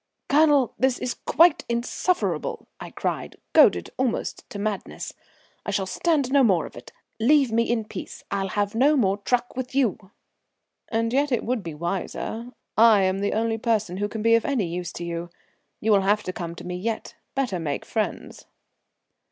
"Colonel, this is quite insufferable," I cried, goaded almost to madness. "I shall stand no more of it. Leave me in peace, I'll have no more truck with you." "And yet it would be wiser. I am the only person who can be of any use to you. You will have to come to me yet. Better make friends."